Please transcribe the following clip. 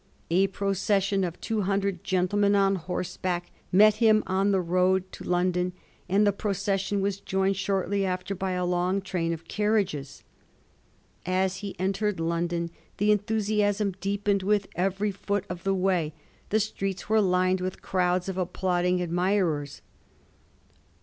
A procession of two hundred gentlemen on horseback met him on the road to London, and the procession was joined shortly after by a long train of carriages. As he entered London the enthusiasm deepened with every foot of the way ; the streets were lined with crowds of applauding admirers.